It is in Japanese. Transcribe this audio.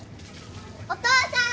お父さん！